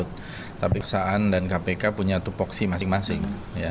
tapi kepala mou dan kpk punya topoksi masing masing